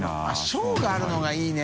「小」があるのがいいね。